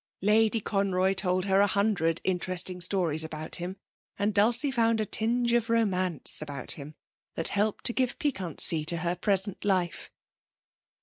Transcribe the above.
Lady Conroy told her a hundred interesting stories about him and Dulcie found a tinge of romance about him that helped to give piquancy to her present life.